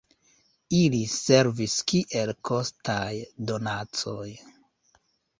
Ili servis kiel kostaj donacoj.